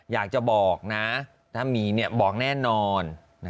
อยากจะบอกนะถ้ามีบอกแน่นอน